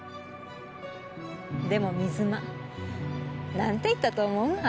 でも水間なんて言ったと思う？